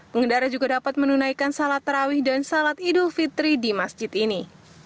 pengendara juga dapat menunaikan salat terawih dan salat idul fitri di masjid ini